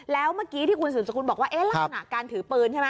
แล้วเมื่อกี้ที่คุณสืบสกุลบอกว่าลักษณะการถือปืนใช่ไหม